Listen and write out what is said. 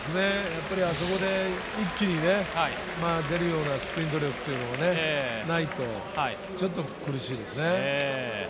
あそこで一気にね、出るようなスプリント力というのがないとちょっと苦しいですね。